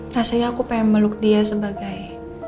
rasanya aku pengen meluk dia sebagai